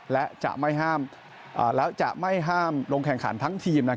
และจะไม่ห้ามลงแข่งขันทั้งทีม